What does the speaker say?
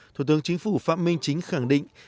thủ tướng chính phủ phạm minh chính khẳng định